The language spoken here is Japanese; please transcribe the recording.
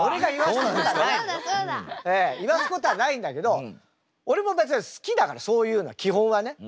言わすことはないんだけど俺も別に好きだからそういうのは基本はね。